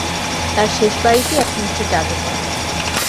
তার শেষ বাড়িটি এখন একটি জাদুঘর।